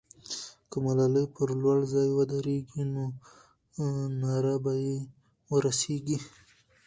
که ملالۍ پر لوړ ځای ودرېږي، نو ناره به یې ورسېږي.